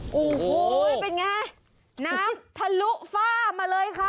โอ้โหเป็นไงน้ำทะลุฝ้ามาเลยค่ะ